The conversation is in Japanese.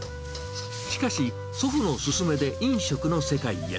しかし祖父の勧めで飲食の世界へ。